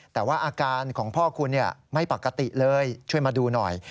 แต่ว่าอาการของพ่อคุณไม่ปกติเลยช่วยมาดูหน่อย